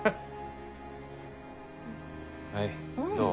はいどう？